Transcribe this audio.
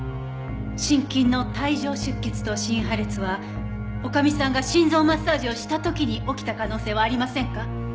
心筋の帯状出血と心破裂は女将さんが心臓マッサージをした時に起きた可能性はありませんか？